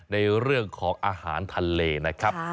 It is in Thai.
ในเรื่องของอาหารทะเลนะครับ